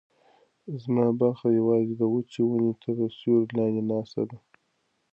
زما برخه یوازې د وچې ونې تر سیوري لاندې ناسته ده.